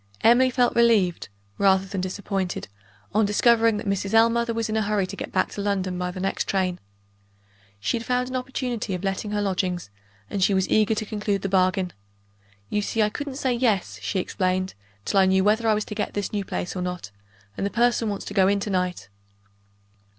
Emily felt relieved, rather than disappointed, on discovering that Mrs. Ellmother was in a hurry to get back to London by the next train. Sh e had found an opportunity of letting her lodgings; and she was eager to conclude the bargain. "You see I couldn't say Yes," she explained, "till I knew whether I was to get this new place or not and the person wants to go in tonight."